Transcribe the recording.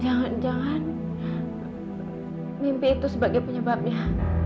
jangan jangan mimpi itu sebagai penyebabnya